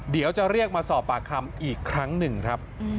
เดี๋ยวจะเรียกมาสอบปากคำอีกครั้งหนึ่งครับ